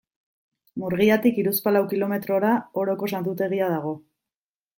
Murgiatik hiruzpalau kilometrora Oroko Santutegia dago.